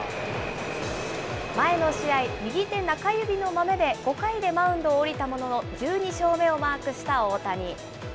前の試合、右手中指のまめで５回でマウンドを降りたものの１２勝目をマークした大谷。